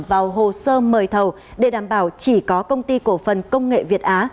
vào hồ sơ mời thầu để đảm bảo chỉ có công ty cổ phần công nghệ việt á